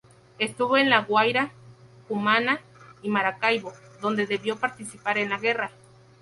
Estuvo en La Guaira, Cumaná y Maracaibo, donde debió participar en la guerra.